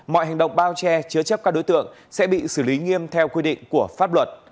mọi hành động bao che chứa chấp các đối tượng sẽ bị xử lý nghiêm theo quy định của pháp luật